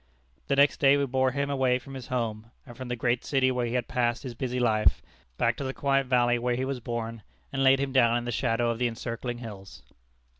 The next day we bore him away from his home, and from the great city where he had passed his busy life, back to the quiet valley where he was born, and laid him down in the shadow of the encircling hills.